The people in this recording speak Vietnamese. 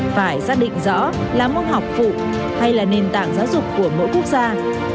phải xác định rõ là môn học phụ hay là nền tảng giáo dục của mỗi quốc gia